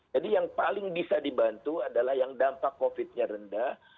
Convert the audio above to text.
jadi yang paling bisa dibantu adalah yang dampak covid nya rendah